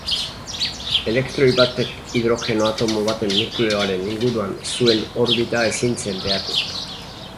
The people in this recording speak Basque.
Elektroi batek hidrogeno-atomo baten nukleoaren inguruan zuen orbita ezin zen behatu.